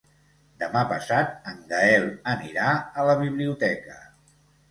Demà passat en Gaël anirà a la biblioteca.